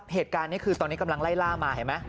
เหตุการณ์นี้คือตอนนี้กำลังไล่ล่ามาเห็นไหม